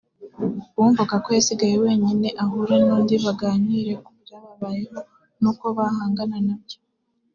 uwumvaga ko yasigaye wenyine ahure n’undi baganire ku byababayeho n’uko bahangana nabyo